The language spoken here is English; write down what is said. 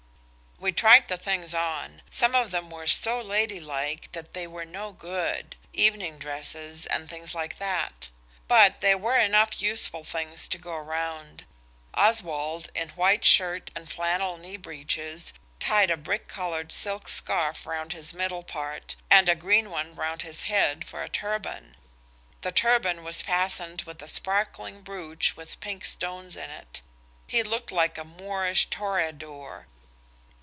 We tried the things on. Some of them were so ladylike that they were no good–evening dresses, and things like that. But there were enough useful things to go round. Oswald, in white shirt and flannel knee breeches, tied a brick coloured silk scarf round his middle part, and a green one round his head for a turban. The turban was fastened with a sparkling brooch with pink stones in it. He looked like a Moorish toreador.